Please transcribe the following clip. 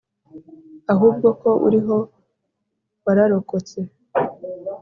Ahubwo ko uriho wararokotse.